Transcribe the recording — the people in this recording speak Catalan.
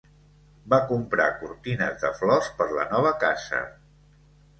Va comprar cortines de flors per la nova casa.